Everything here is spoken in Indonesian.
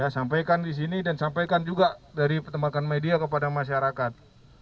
sampaikan di sini dan sampaikan juga dari pertemakan media kepada masyarakat